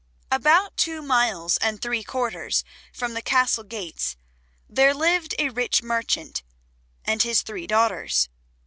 About two miles and three quarters from the Castle gates there lived a rich merchant and his three daughters.